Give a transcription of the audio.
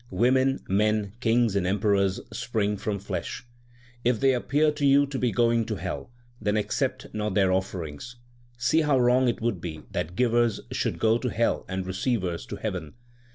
Women, men, kings, and emperors spring from flesh. If they appear to you to be going to hell, then accept not their offerings. See how wrong it would be that givers should go to hell and receivers to heaven.